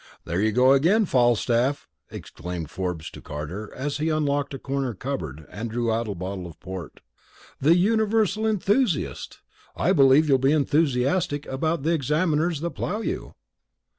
"There you go again, Falstaff!" exclaimed Forbes to Carter, as he unlocked a corner cupboard and drew out a bottle of port. "The universal enthusiast! I believe you'll be enthusiastic about the examiners that plough you!"